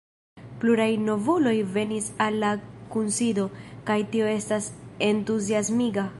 Pluraj novuloj venis al la kunsido, kaj tio estas entuziasmiga.